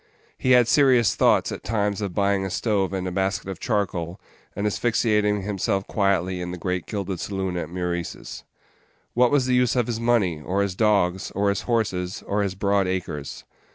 He had serious thoughts at times of buying a stove and a basket of charcoal, and asphyxiating himself quietly in the great gilded saloon at Meurice's. What was the use of his money, or his dogs, or his horses, or his broad acres?